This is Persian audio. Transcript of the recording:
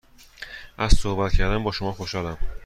از صحبت کردن با شما خوشحالم.